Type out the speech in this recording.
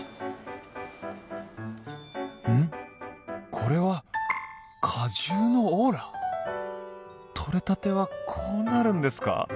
これは果汁のオーラ？取れたてはこうなるんですか！